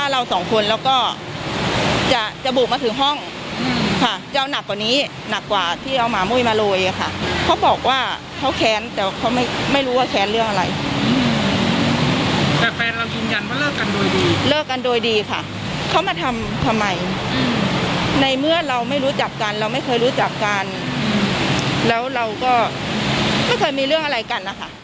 แล้วเราก็ไม่เคยมีเรื่องอะไรกันนะค่ะ